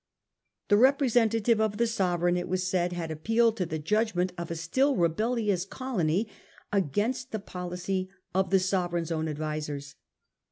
The representative of the Sove reign, it was said, had appealed to the judgment of a still rebellious colony against the policy of the Sovereign's own advisers.